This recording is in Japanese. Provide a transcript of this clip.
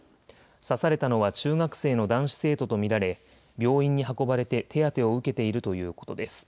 刺されたのは中学生の男子生徒と見られ、病院に運ばれて手当てを受けているということです。